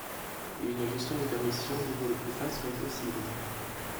Une gestion des permissions au niveau le plus fin serait possible.